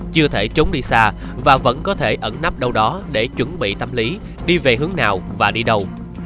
chưa thể trốn đi xa và vẫn có thể ẩn nắp đâu đó để chuẩn bị tâm lý đi về hướng nào và đi đâu